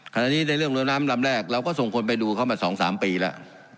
ในเรื่องเรือน้ำลำแรกเราก็ส่งคนไปดูเขามา๒๓ปีแล้ว